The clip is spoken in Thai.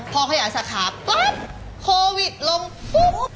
พอเขาอยากสะขาบปุ๊บโควิดลงปุ๊บ